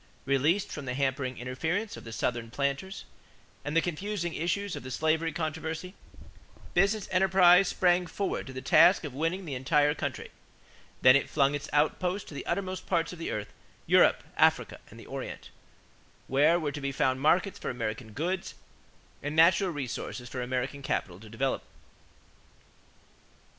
Released from the hampering interference of the Southern planters and the confusing issues of the slavery controversy, business enterprise sprang forward to the task of winning the entire country. Then it flung its outposts to the uttermost parts of the earth Europe, Africa, and the Orient where were to be found markets for American goods and natural resources for American capital to develop.